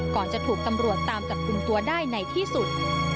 ก่อนจะถูกตำรวจตามจับกลุ่มตัวได้ในที่สุด